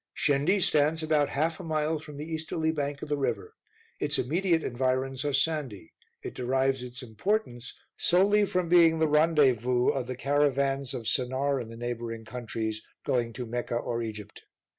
Shendi stands about half a mile from the easterly bank of the river. Its immediate environs are sandy; it derives its importance solely from being the rendezvous of the caravans of Sennaar and the neighboring countries going to Mecca or Egypt.